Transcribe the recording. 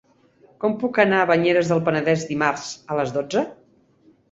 Com puc anar a Banyeres del Penedès dimarts a les dotze?